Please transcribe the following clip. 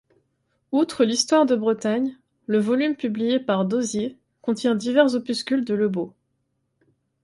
Outre l'histoire de Bretagne, le volume publié par d'Hozier contient divers opuscules de Lebaud.